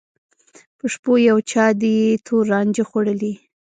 په شپو یو چا دي تور رانجه خوړلي